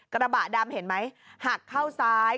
กระบะดำเห็นไหมหักเข้าซ้าย